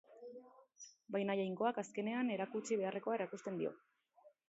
Baina Jainkoak, azkenean, erakutsi beharrekoa erakusten dio.